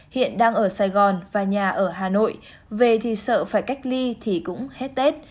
hiện đang ở sài gòn và nhà ở hà nội về thì sợ phải cách ly thì cũng hết tết